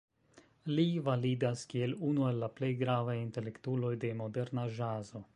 Li validas kiel unu el la plej gravaj intelektuloj de moderna ĵazo.